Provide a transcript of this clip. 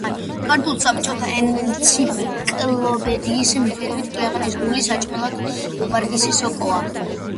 ქართული საბჭოთა ენციკლოპედიის მიხედვით, ქვეყნის გული საჭმელად უვარგისი სოკოა.